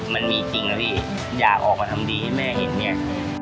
มันมีจริงนะพี่อยากออกมาทำดีให้แม่เห็นไง